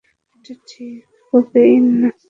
এটা ঠিক কোকেইন না।